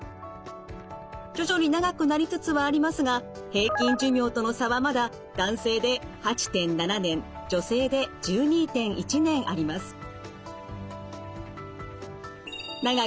徐々に長くなりつつはありますが平均寿命との差はまだ男性で８．７年女性で１２．１年あります。